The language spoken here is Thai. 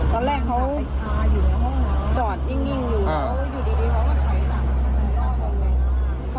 พอบีบแต่ปุ๊บมันก็ไม่ได้เตรียมนะคะ